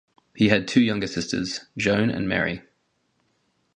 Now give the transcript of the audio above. He had two younger sisters, Joan and Mary.